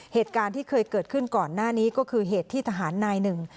เหตุการณ์ที่เคยเกิดขึ้นก่อนหน้านี้ก็คือเหตุที่ทหารนายหนึ่ง